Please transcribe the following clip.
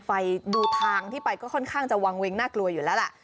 ไปดูทางที่ไปก็ค่อนข้างจะวางเวงน่ากลัวอยู่แล้วล่ะ